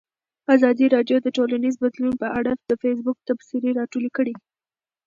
ازادي راډیو د ټولنیز بدلون په اړه د فیسبوک تبصرې راټولې کړي.